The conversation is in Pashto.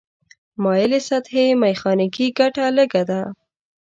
مایلې سطحې میخانیکي ګټه لږه ده.